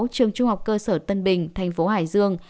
trường trung học cơ sở tân bình thành phố hải dương